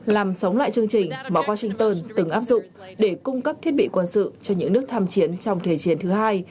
làm sống lại chương trình mà washington từng áp dụng để cung cấp thiết bị quân sự cho những nước tham chiến trong thế chiến thứ hai